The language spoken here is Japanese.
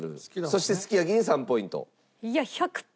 そしてすき焼きに３ポイント。